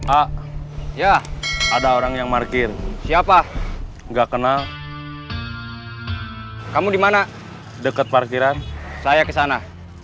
ah ya ada orang yang market siapa enggak kenal kamu dimana deket parkiran saya kesana